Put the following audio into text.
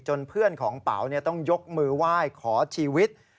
เพื่อนของเป๋าต้องยกมือไหว้ขอชีวิต